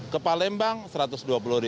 ke palembang rp satu ratus dua puluh